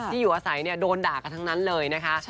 อยู่อาศัยโดนด่ากันทั้งนั้นเลยนะคะ